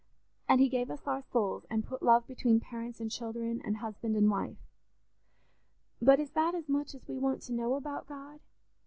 And he gave us our souls and put love between parents and children, and husband and wife. But is that as much as we want to know about God?